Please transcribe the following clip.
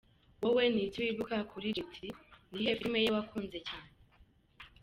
Wowe ni iki wibukira kuri Jet Li? Ni iyihe filime ye wakunze cyane?.